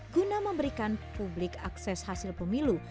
guna memberikan publik akses hasil pemilu